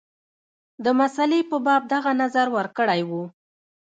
د مسلې په باب دغه نظر ورکړی وو.